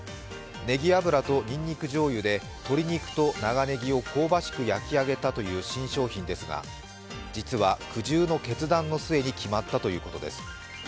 ねぎ油とにんにくじょうゆで鶏肉と長ネギを香ばしく焼き上げたという新商品だそうですが実は、苦渋の決断の末に決まったということです。